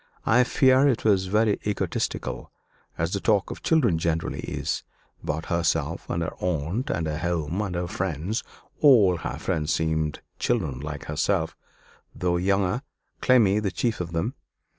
I fear it was very egotistical, as the talk of children generally is about herself and her aunt and her home and her friends all her friends seemed children like herself, though younger Clemmy the chief of them.